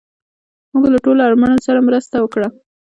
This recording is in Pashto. موږ له ټولو اړمنو سره مرسته وکړه